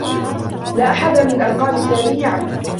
لا أحد من أرقام سامي يعمل.